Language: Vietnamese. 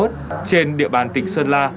trên địa bàn tỉnh sơn la